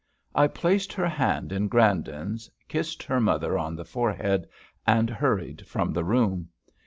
I placed her hand in Grandon's, kissed her mother on the forehead, and hurried from the room.